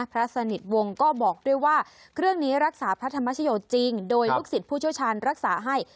พระสนิทวงศ์ก็บอกด้วยว่าเครื่องนี้รักษาพระธรรมชโยชนจริงโดยลูกศิษย์ผู้เชี่ยวชาญรักษาให้